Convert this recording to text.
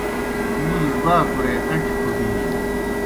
می باکُرَے ان٘ٹھیْ پُھٹِلِن۔